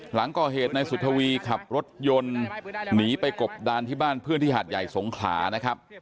หลังก่อเหตุนายสุธวีขับรถยนต์หนีไปกบดานที่บ้านเพื่อนที่หาดใหญ่สงขลานะครับ